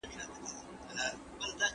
نه په سمه مځکه بند وو، نه په شاړه